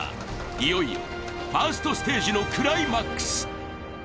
いよいよファーストステージのクライマックス。